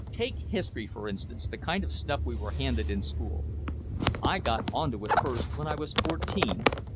Take history, for instance, the kind of stuff we were handed in school. I got onto it first when I was fourteen.